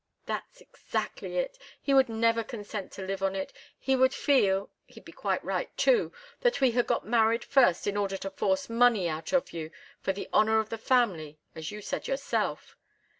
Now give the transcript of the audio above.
"That's exactly it. He would never consent to live on it. He would feel he'd be quite right, too that we had got married first in order to force money out of you, for the honour of the family, as you said yourself."